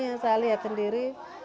yang saya lihat sendiri